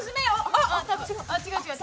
あっ、違う、違う。